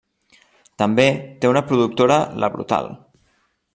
També té una productora la Brutal.